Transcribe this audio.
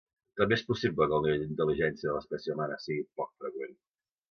També és possible que el nivell d'intel·ligència de l'espècie humana sigui poc freqüent.